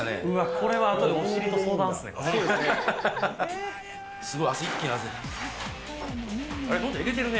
これは後でお尻と相談ですね。